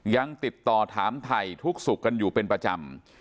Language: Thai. ยังติดต่อถามไทยทุกสุขกันอยู่เป็นประจำ